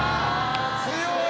強い！